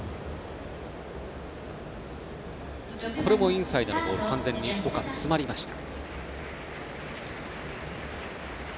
インサイドのボール岡、完全に詰まりました。